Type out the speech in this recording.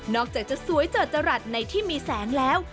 อกจากจะสวยเจิดจรัสในที่มีแสงแล้ว